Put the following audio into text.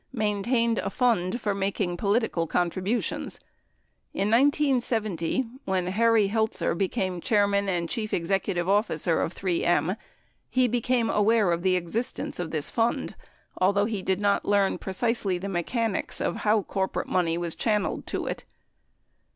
maintained a fund for making political contributions. In 1970 when Harry Heltzer became chairman and chief executive officer of 3 M, he became aware of the existence of this fund, although he did not learn precisely the mechanics of how corporate money was chan nelled to it.